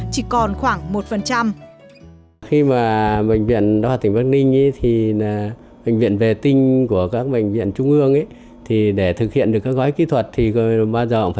còn khoảng một